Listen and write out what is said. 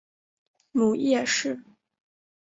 母叶氏。